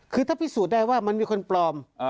คือถ้าพิสูจน์ได้ว่ามันมีคนปลอม